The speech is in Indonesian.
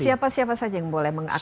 siapa siapa saja yang boleh mengakse